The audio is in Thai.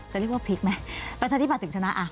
จะเรียกว่าพลิกไหมประชาธิบัตย์ถึงชนะ